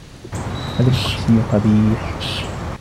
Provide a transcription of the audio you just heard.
هذا الكرسي قبيح.